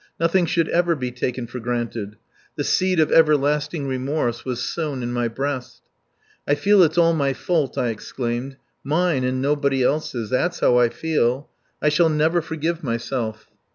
Nothing should ever be taken for granted. The seed of everlasting remorse was sown in my breast. "I feel it's all my fault," I exclaimed, "mine and nobody else's. That's how I feel. I shall never forgive myself."